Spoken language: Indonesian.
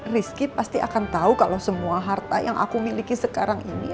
rizky pasti akan tahu kalau semua harta yang aku miliki sekarang ini